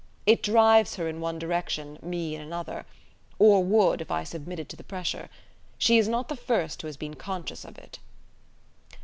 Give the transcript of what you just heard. It drives her in one direction, me in another or would, if I submitted to the pressure. She is not the first who has been conscious of it."